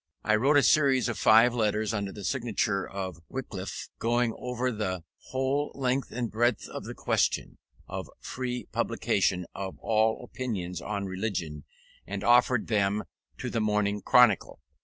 I wrote a series of five letters, under the signature of Wickliffe, going over the whole length and breadth of the question of free publication of all opinions on religion, and offered them to the Morning Chronicle.